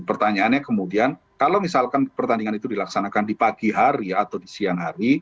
pertanyaannya kemudian kalau misalkan pertandingan itu dilaksanakan di pagi hari atau di siang hari